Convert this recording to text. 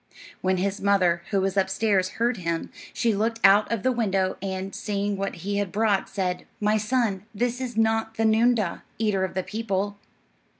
When his mother, who was upstairs, heard him, she looked out of the window, and, seeing what he had brought, said, "My son, this is not the noondah, eater of the people."